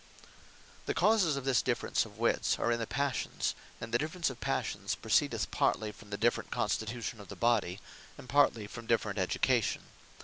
The causes of this difference of Witts, are in the Passions: and the difference of Passions, proceedeth partly from the different Constitution of the body, and partly from different Education.